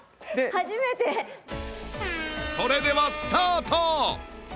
それではスタート！